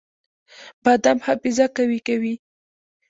بادام حافظه قوي کوي